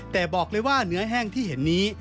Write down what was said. แต่บอกเลยว่าเนื้อแห้งที่เห็นนี้